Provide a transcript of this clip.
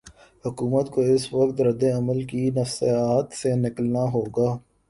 حکومت کو اس وقت رد عمل کی نفسیات سے نکلنا ہو گا۔